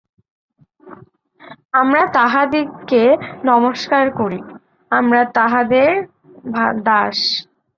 আমরা তাহাদিগকে নমস্কার করি, আমরা তাঁহাদের দাস।